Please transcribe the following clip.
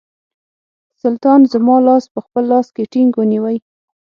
سلطان زما لاس په خپل لاس کې ټینګ ونیوی.